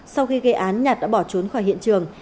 sau khi gây án nhạt đã bỏ trốn khỏi hiện trường